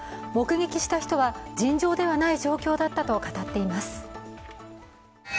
目撃した人は、尋常ではない状況だったと語っています。